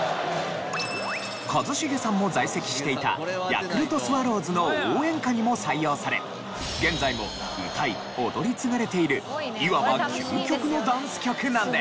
一茂さんも在籍していたヤクルトスワローズの応援歌にも採用され現在も歌い踊り継がれているいわば究極のダンス曲なんです。